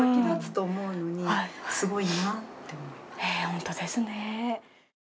本当ですね。